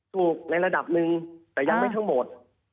ในระดับหนึ่งแต่ยังไม่ทั้งหมด